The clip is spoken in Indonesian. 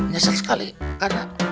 nyesel sekali karena